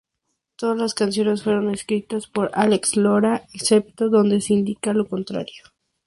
Todas las canciones fueron escritas por Álex Lora, excepto donde se indica lo contrario.